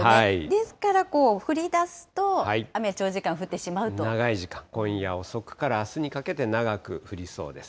ですから降りだすと、雨、長い時間、今夜遅くからあすにかけて長く降りそうです。